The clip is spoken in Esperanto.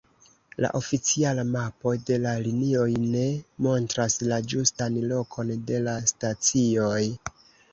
La oficiala mapo de la linioj ne montras la ĝustan lokon de la stacioj.